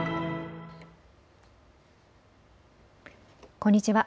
こんにちは。